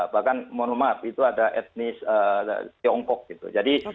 bahkan monomat itu ada etnis tiongkok gitu